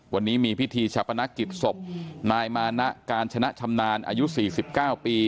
วันนี้มีพิธีฉปนักกิจศพนายมานะการชนะชำนานอายุสี่สิบเก้าปี